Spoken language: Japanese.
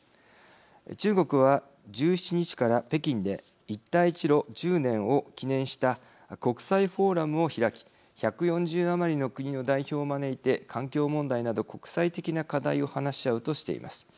中国は１７日から北京で一帯一路１０年を記念した国際フォーラムを開き１４０余りの国の代表を招いて環境問題など国際的な課題を話し合うとしています。